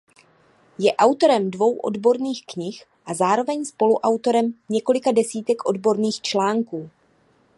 Je autorem dvou odborných knih a zároveň spoluautorem několika desítek odborných článků.